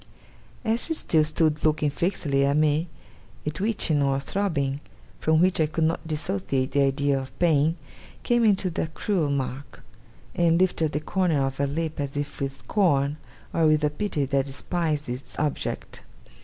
As she still stood looking fixedly at me, a twitching or throbbing, from which I could not dissociate the idea of pain, came into that cruel mark; and lifted up the corner of her lip as if with scorn, or with a pity that despised its object.